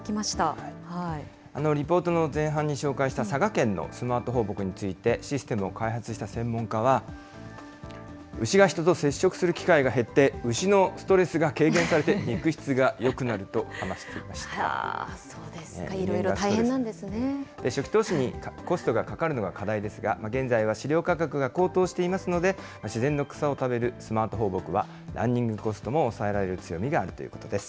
リポートの前半に紹介した佐賀県のスマート放牧について、システムを開発した専門家は、牛が人と接触する機会が減って、牛のストレスが軽減されて、そうですか、いろいろ大変な初期投資にコストがかかるのが課題ですが、現在は飼料価格が高騰していますので、自然の草を食べるスマート放牧は、ランニングコストも抑えられる強みがあるということです。